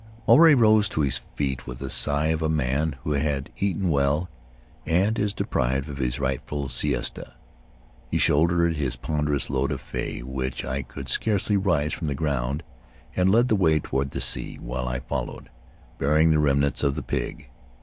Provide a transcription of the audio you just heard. Maruae rose to his feet with the sigh of a man who has eaten well and is deprived of his rightful siesta. He shouldered his ponderous load of fei — which I could scarcely raise from the ground — and led the way toward the sea, while I followed, bearing the remnants of the pig.